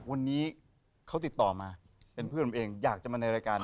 วันนี้เขาติดต่อมาเป็นเพื่อนผมเองอยากจะมาในรายการ